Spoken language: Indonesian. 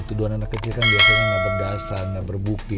tuduhan anak kecil kan biasanya gak berdasar gak berbukti